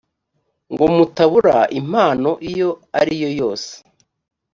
ngo mutabura impano iyo ari yo yose